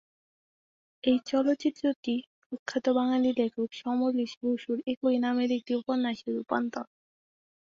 এই চলচ্চিত্রটি প্রখ্যাত বাঙালি লেখক সমরেশ বসুর একই নামের একটি উপন্যাসের রূপান্তর।